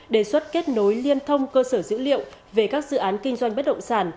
đề xuất kết nối liên thông cơ sở dữ liệu về các dự án kinh doanh bất động sản